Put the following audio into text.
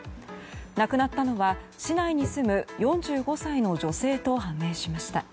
亡くなったのは市内に住む４５歳の女性と判明しました。